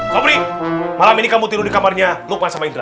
kopri malam ini kamu tiru di kamarnya lukman sama indra